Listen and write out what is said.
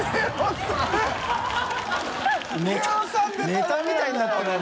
ネタみたいになってるよ。